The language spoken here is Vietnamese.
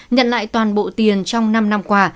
nhận lại toàn bộ tiền trong năm năm qua